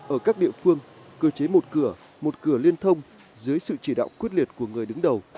ở các địa phương cơ chế một cửa một cửa liên thông dưới sự chỉ đạo quyết liệt của người đứng đầu